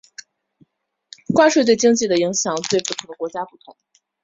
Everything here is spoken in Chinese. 关税对经济的影响对不同国家不同。